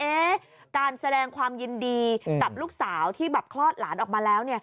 การแสดงความยินดีกับลูกสาวที่แบบคลอดหลานออกมาแล้ว